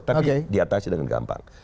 tapi diatasi dengan gampang